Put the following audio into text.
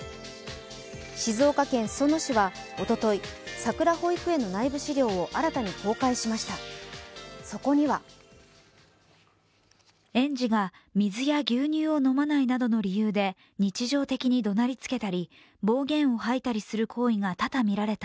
静岡県裾野市はおととい、さくら保育園の内部資料を新たに公開しました。